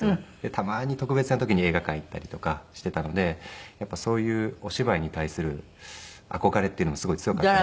たまに特別な時に映画館行ったりとかしていたのでそういうお芝居に対する憧れっていうのもすごい強かったので。